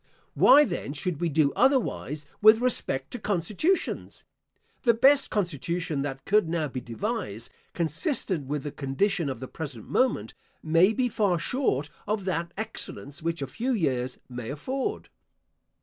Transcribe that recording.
Why, then, should we do otherwise with respect to constitutions? The best constitution that could now be devised, consistent with the condition of the present moment, may be far short of that excellence which a few years may afford.